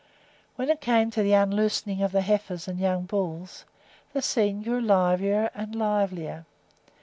When it came to the unloosing of the heifers and young bulls, the scene grew livelier and livelier.